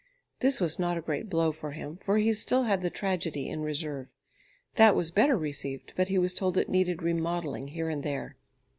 This was not a great blow for him, for he still had the tragedy in reserve. That was better received, but he was told it needed remodelling here and there.